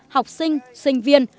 học sinh sinh viên